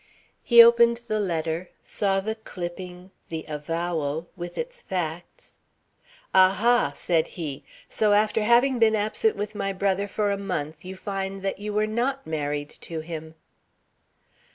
He opened the letter, saw the clipping, the avowal, with its facts. "A ha!" said he. "So after having been absent with my brother for a month, you find that you were not married to him."